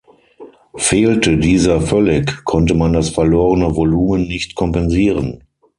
Fehlte dieser völlig, konnte man das verlorene Volumen nicht kompensieren.